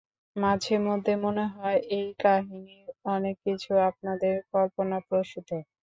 মাঝেমধ্যে মনে হয় এই কাহিনির অনেক কিছু আপনার কল্পনাপ্রসূত।